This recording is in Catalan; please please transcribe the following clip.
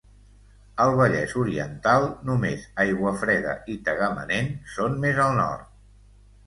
Al Vallès Oriental només Aiguafreda i Tagamanent són més al nord.